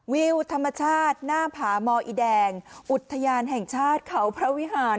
วิวธรรมชาติหน้าผามอีแดงอุทยานแห่งชาติเขาพระวิหาร